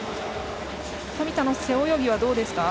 富田の背泳ぎはどうですか？